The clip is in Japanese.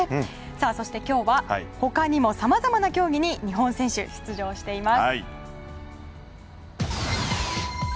そして今日は他にもさまざまな競技に日本選手、出場しています。